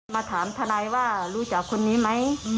มาถามทนายว่ารู้จักคนนี้ไหม